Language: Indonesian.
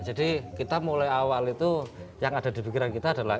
jadi kita mulai awal itu yang ada di pikiran kita adalah